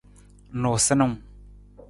Nuusanung.